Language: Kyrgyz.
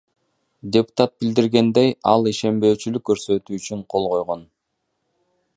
Депутат билдиргендей, ал ишенбөөчүлүк көрсөтүү үчүн кол койгон.